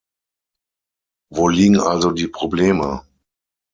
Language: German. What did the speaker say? Wo liegen also die Probleme?